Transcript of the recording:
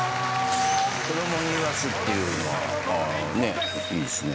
子供に言わすっていうのはいいですね。